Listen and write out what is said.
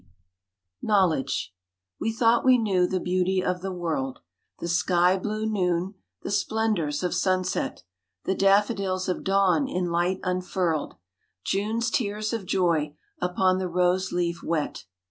120 Iknovvle&ge E thought we knew the beauty of the The sky blue noon, the splendours of sunset, The daffodils of dawn in light unfurled, June's tears of joy upon the rose leaf wet.